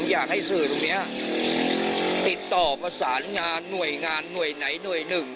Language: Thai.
อยากให้สื่อตรงนี้ติดต่อประสานงานหน่วยงานหน่วยไหนหน่วยหนึ่ง